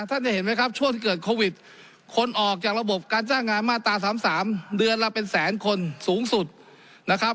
ท่านจะเห็นไหมครับช่วงที่เกิดโควิดคนออกจากระบบการจ้างงานมาตรา๓๓เดือนละเป็นแสนคนสูงสุดนะครับ